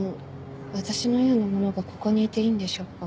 私のような者がここにいていいんでしょうか。